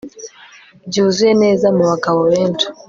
Byuzuye neza mu bagabo benshi